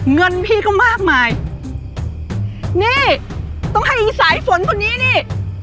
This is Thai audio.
เงินพี่ก็มากมายนี่ต้องให้สายฝนคนนี้นี่